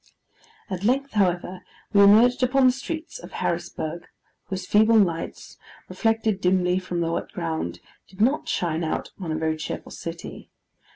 At length, however, we emerged upon the streets of Harrisburg, whose feeble lights, reflected dismally from the wet ground, did not shine out upon a very cheerful city.